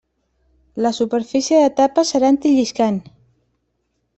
La superfície de tapa serà antilliscant.